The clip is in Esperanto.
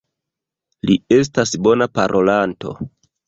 Li estas bona parolanto.